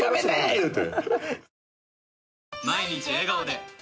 言うて。